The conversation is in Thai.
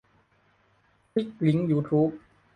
คลิกลิงก์ยูทูบ